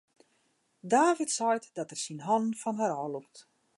David seit dat er syn hannen fan har ôflûkt.